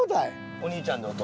お兄ちゃんで弟？